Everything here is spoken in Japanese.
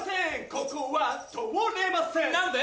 ここは通れません何で？